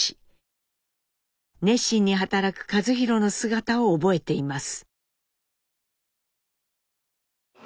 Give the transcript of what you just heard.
熱心に働く一寛の姿を覚えています。